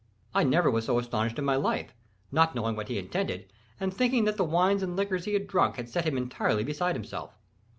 I never was so astonished in my life, not knowing what he intended, and thinking that the wines and liquors he had drunk had set him entirely beside himself.